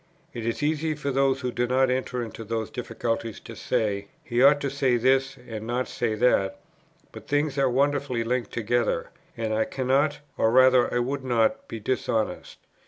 It is easy for those who do not enter into those difficulties to say, 'He ought to say this and not say that,' but things are wonderfully linked together, and I cannot, or rather I would not be dishonest.